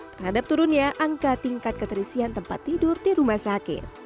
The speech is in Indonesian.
terhadap turunnya angka tingkat keterisian tempat tidur di rumah sakit